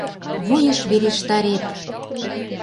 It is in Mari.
Вуйыш верештарет!..